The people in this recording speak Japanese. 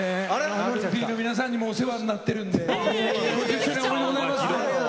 ＴＨＥＡＬＦＥＥの皆さんにもお世話になってるんで５０周年、おめでとうございます。